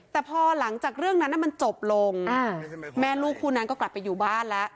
แต่พอหลังจากเรื่องนั้นมันจบลงแม่ลูกคู่นั้นก็กลับไปอยู่บ้านแล้ว